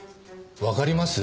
わかります？